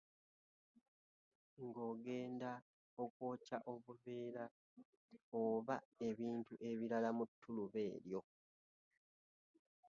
Ng’ogenda okwokya obuveera oba ebintu ebirala mu ttuluba eryo.